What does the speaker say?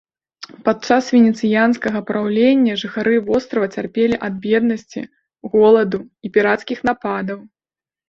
Падчас венецыянскага праўлення, жыхары вострава цярпелі ад беднасці, голаду і пірацкіх нападаў.